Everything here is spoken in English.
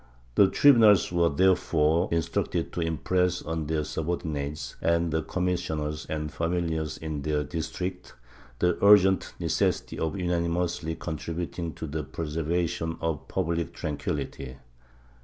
The tribunals were therefore instructed to impress on their subordinates, and the commissioners and familiars in their districts, the urgent necessity of unanimously contributing to the preservation of public tranquillity.